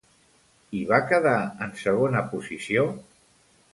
Hi va quedar en segona posició?